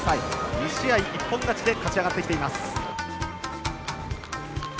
２試合、一本勝ちで勝ち上がってきています。